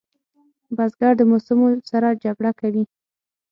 بزګر د موسمو سره جګړه کوي